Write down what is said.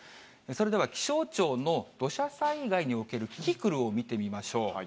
それでは気象庁の土砂災害におけるキキクルを見てみましょう。